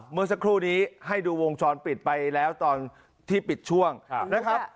เมื่อสักครู่นี้ให้ดูวงจรปิดไปแล้วตอนที่ปิดช่วงนะครับ